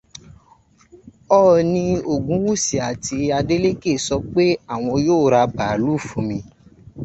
Ọọ̀ni Ògúnwùsì àti Adélékè sọ pé àwọn yóò ra bàálù fún mi